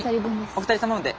お二人様分で。